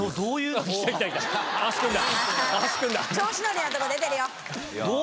調子乗りなとこ出てるよ！